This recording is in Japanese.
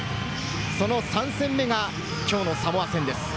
その３戦目がきょうのサモア戦です。